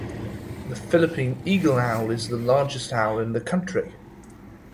The Philippine eagle-owl is the largest owl in the country.